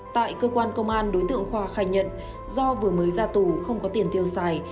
tại cơ quan công an đối tượng khoa khai nhận do vừa mới ra tù không có tiền tiêu xài